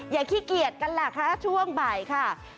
ขี้เกียจกันล่ะคะช่วงบ่ายค่ะ